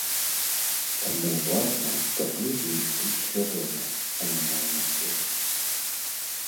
Таму важна, каб людзі ішлі свядома, а не на эмоцыях.